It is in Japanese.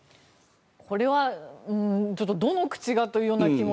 これはちょっとどの口がというような気も。